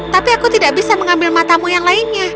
tapi aku tidak bisa mengambil matamu yang lainnya